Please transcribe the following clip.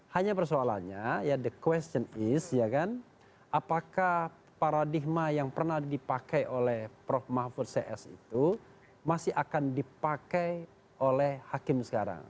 hanya persoalannya ya the question is ya kan apakah paradigma yang pernah dipakai oleh prof mahfud cs itu masih akan dipakai oleh hakim sekarang